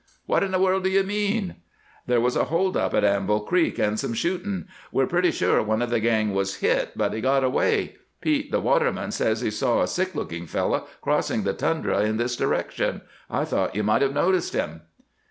"What in the world do you mean?" "There was a hold up at Anvil Creek, and some shooting. We're pretty sure one of the gang was hit, but he got away. Pete, the waterman, says he saw a sick looking fellow crossing the tundra in this direction. I thought you might have noticed him."